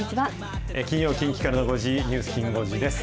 金曜、近畿からの５時、ニュースきん５時です。